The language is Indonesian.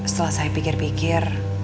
setelah saya pikir pikir